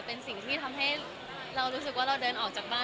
เป็นสิ่งที่ทำให้เรารู้สึกว่าเราเดินออกจากบ้าน